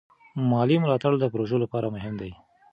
مالي ملاتړ د پروژو لپاره مهم دی.